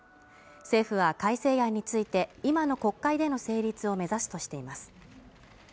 政府は改正案について今の国会での成立を目指すとしています